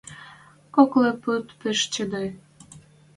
Коклы пуд пиш чӹдӹ...